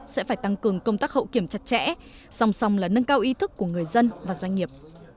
sẽ phải tăng cường công tác hậu kiểm chặt chẽ song song là nâng cao ý thức của người dân và doanh nghiệp